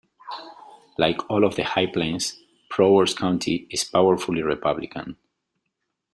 Like all of the High Plains, Prowers County is powerfully Republican.